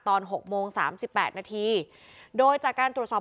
หกโมงสามสิบแปดนาทีโดยจากการตรวจสอบ